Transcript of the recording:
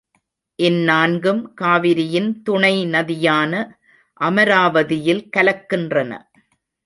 இந்நான்கும் காவிரியின் துணை நதியான அமராவதியில் கலக்கின்றன.